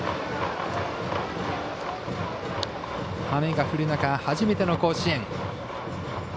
雨が降る中、初めての甲子園。